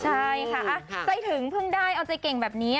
ใช่ค่ะใจถึงเพิ่งได้เอาใจเก่งแบบนี้